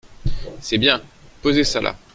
C’est bien… posez ça là !